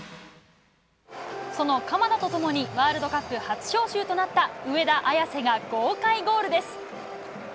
その鎌田とともに、ワールドカップ初招集となった上田綺世が豪快ゴールです。